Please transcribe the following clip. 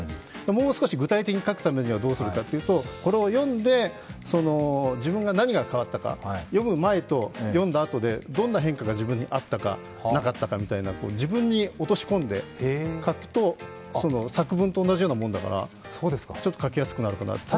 もう少し具体的に書くためにはどうするかというと、これを読んで自分が何が変わったか、読む前と読んだあとでどんな変化が自分にあったかなかったかみたいな自分に落とし込んで書くと作文と同じようなもんだからちょっと書きやすくなるかなって。